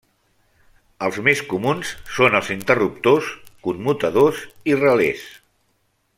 Els més comuns són els interruptors, commutadors i relés.